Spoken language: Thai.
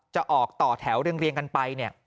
จะออกต่อแถวเรียงกันไป